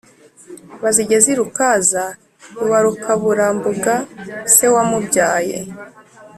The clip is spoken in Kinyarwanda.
bazigeze i rukaza iwa rukaburambuga se wamubyaye.